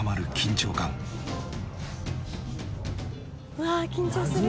うわあ緊張する。